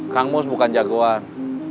kang mus bukan jagoan